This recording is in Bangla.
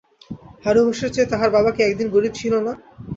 হারু ঘোষের চেয়ে তাহার বাবা কি একদিন গরিব ছিল না?